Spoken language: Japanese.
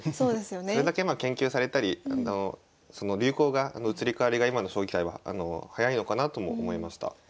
それだけまあ研究されたり流行の移り変わりが今の将棋界は早いのかなとも思いました。